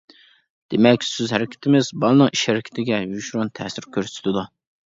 دېمەك، سۆز-ھەرىكىتىمىز بالىنىڭ ئىش-ھەرىكىتىگە يوشۇرۇن تەسىر كۆرسىتىدۇ.